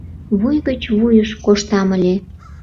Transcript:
Вуй гыч вуйыш коштам ыле.